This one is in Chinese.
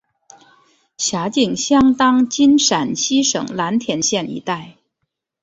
辖境相当今陕西省蓝田县一带。